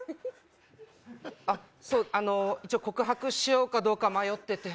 あっ、一応、告白しようかどうか迷ってて。